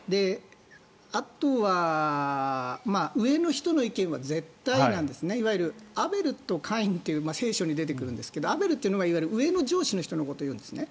あとは上の人の意見は絶対なんですねいわゆるアベルとカインって聖書に出てくるんですがアベルというのは上の上司のことを言うんですね。